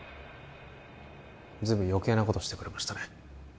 ずいぶん余計なことをしてくれましたね